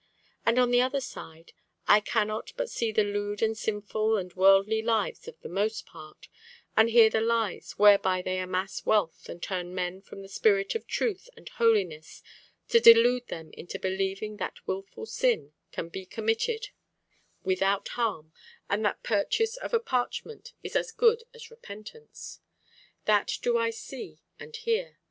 And on the other side, I cannot but see the lewd and sinful and worldly lives of the most part, and hear the lies whereby they amass wealth and turn men from the spirit of truth and holiness to delude them into believing that wilful sin can be committed without harm, and that purchase of a parchment is as good as repentance. That do I see and hear.